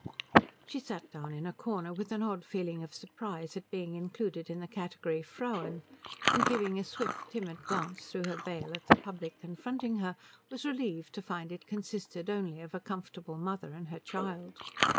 She sat down in a corner with an odd feeling of surprise at being included in the category Frauen, and giving a swift timid glance through her veil at the public confronting her was relieved to find it consisted only of a comfortable mother and her child.